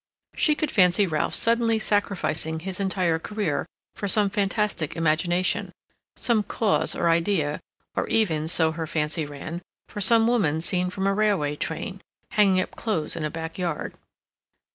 She could fancy Ralph suddenly sacrificing his entire career for some fantastic imagination; some cause or idea or even (so her fancy ran) for some woman seen from a railway train, hanging up clothes in a back yard.